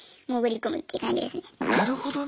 なるほどな。